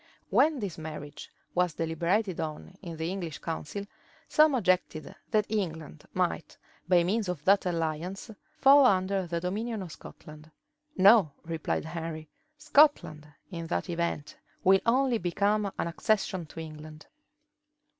When this marriage was deliberated on in the English council, some objected, that England might, by means of that alliance, fall under the dominion of Scotland. "No," replied Henry, "Scotland, in that event, will only become an accession to England."